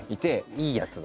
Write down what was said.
いいやつだ。